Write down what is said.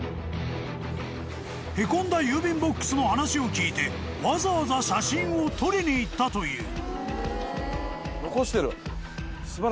［へこんだ郵便ボックスの話を聞いてわざわざ写真を撮りに行ったという］